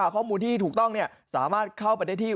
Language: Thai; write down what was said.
ข้อมูลที่ถูกต้องสามารถเข้าไปได้ที่